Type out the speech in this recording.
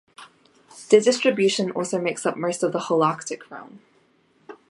Their distribution also makes up most of the Holarctic realm.